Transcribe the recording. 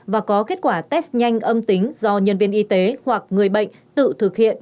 và có kết quả test nhanh âm tính do nhân viên y tế hoặc người bệnh tự thực hiện